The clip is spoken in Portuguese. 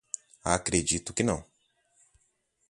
Acredito que não